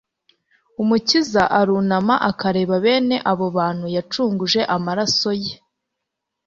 Umukiza arunama akareba bene abo bantu yacunguje amaraso ye